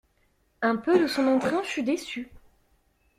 Un peu de son entrain fut déçu.